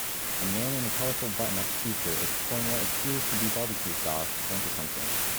A man in a colorful buttonup tshirt is pouring what appears to be barbecue sauce onto something